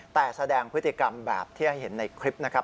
แต่แสดงพฤติกรรมแบบที่ให้เห็นในคลิปนะครับ